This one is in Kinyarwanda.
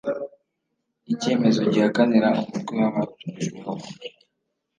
icyemezo gihakanira umutwe wabatumijweho